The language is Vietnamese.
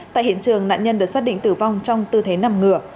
tại hiện trường nạn nhân được xác định tử vong trong tư thế nằm ngửa